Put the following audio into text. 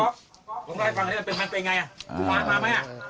ผมได้ฟังว่าเป็นมันไปไงมันมาไหม